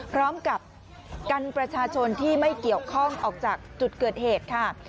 พร้อมกับกันประชาชนที่ไม่เกี่ยวข้องออกจากจุดเกิดเหตุค่ะ